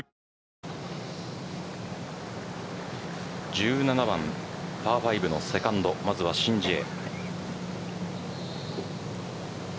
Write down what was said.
１７番パー５のセカンドまずは申ジエ。